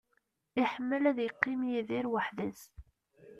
Iḥemmel ad yeqqim Yidir weḥd-s.